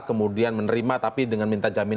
sudah ada berbeza yang lain